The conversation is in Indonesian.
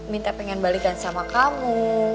minta pengen balikan sama kamu